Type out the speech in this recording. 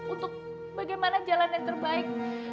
untuk bagaimana jalan yang terbaik